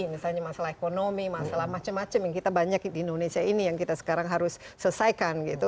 misalnya masalah ekonomi masalah macam macam yang kita banyak di indonesia ini yang kita sekarang harus selesaikan gitu